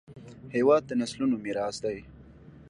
هېواد د نسلونو میراث دی.